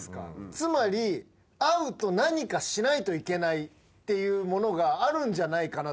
つまり会うと何かしないといけないっていうものがあるんじゃないかと思ってるんです。